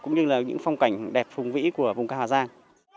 cũng như là những phong cảnh đẹp phùng vĩ của vùng cao hà giang